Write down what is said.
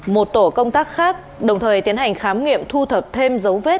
một tổ công tác khác đồng thời tiến hành khám nghiệm thu thập thêm dấu vết